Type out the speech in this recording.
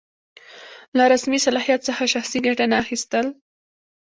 له رسمي صلاحیت څخه شخصي ګټه نه اخیستل.